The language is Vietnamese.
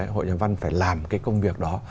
hội nhà văn phải làm cái công việc đó